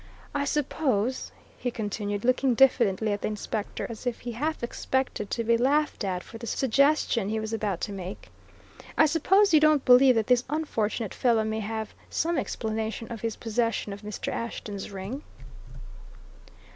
I suppose," he continued, looking diffidently at the inspector, as if he half expected to be laughed at for the suggestion he was about to make, "I suppose you don't believe that this unfortunate fellow may have some explanation of his possession of Mr. Ashton's ring?"